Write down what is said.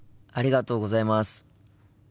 ありがとうございます。